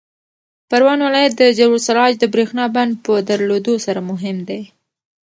پروان ولایت د جبل السراج د برېښنا بند په درلودلو سره مهم دی.